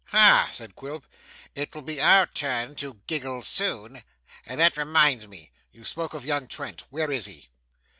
'Ha!' said Quilp. 'It will be our turn to giggle soon. And that reminds me you spoke of young Trent where is he?